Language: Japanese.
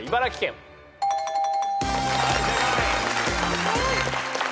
はい正解。